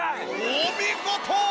お見事！